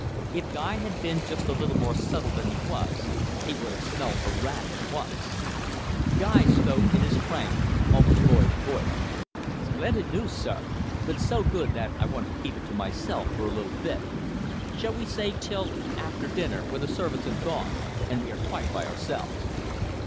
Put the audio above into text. If Guy had been just a little more subtle than he was, he would have smelt a rat at once. Guy spoke in his frank, almost boyish voice. "Splendid news, sir, but so good that I want to keep it to myself for a little bit. Shall we say till after dinner, when the servants have gone, and we are quite by ourselves."